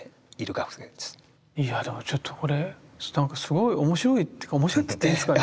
いやでもちょっとこれ何かすごい面白いというか面白いって言っていいんですかね？